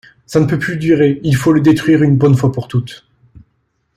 Ça ne peut plus durer, il faut le détruire une bonne fois pour toutes.